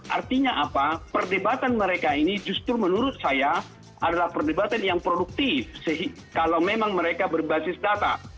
artinya apa perdebatan mereka ini justru menurut saya adalah perdebatan yang produktif kalau memang mereka berbasis data